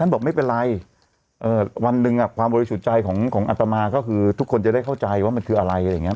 บอกไม่เป็นไรวันหนึ่งความบริสุทธิ์ใจของอัตมาก็คือทุกคนจะได้เข้าใจว่ามันคืออะไรอะไรอย่างนี้